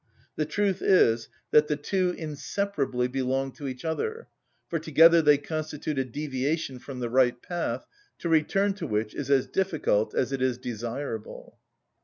The truth is, that the two inseparably belong to each other, for together they constitute a deviation from the right path, to return to which is as difficult as it is desirable.